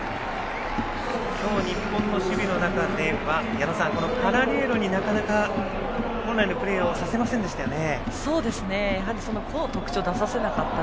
今日、日本の守備の中ではパラリュエロになかなか本来のプレーをさせませんでしたよね。